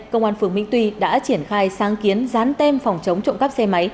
công an phường minh tuy đã triển khai sáng kiến dán tem phòng chống trộm cắp xe máy